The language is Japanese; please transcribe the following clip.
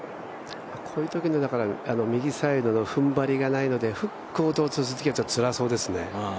こういうときの右サイドの踏ん張りがないので、フックを打つとつらそうですね。